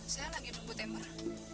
saya lagi nunggu temer